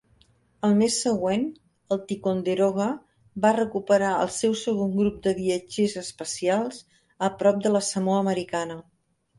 El mes següent, el "Ticonderoga" va recuperar el seu segon grup de viatgers espacials a prop de la Samoa Americana.